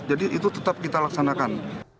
jadi itu tetap kita laksanakan